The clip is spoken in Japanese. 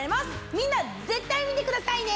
みんな絶対見てくださいね！